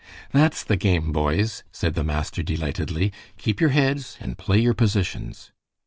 "That's the game, boys," said the master, delightedly. "Keep your heads, and play your positions."